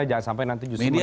jangan sampai nanti justru ini